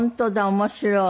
面白い！